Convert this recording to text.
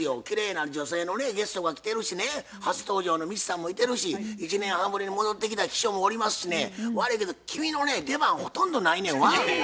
きれいな女性のねゲストが来てるしね初登場の未知さんもいてるし１年半ぶりに戻ってきた秘書もおりますしね悪いけど君のね出番ほとんどないねんわ。